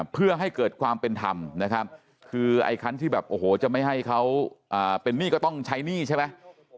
เพื่อให้เกิดความเป็นธรรมนะครับคือไอ้คันที่แบบโอ้โหจะไม่ให้เขาเป็นหนี้ก็ต้องใช้หนี้ใช่ไหม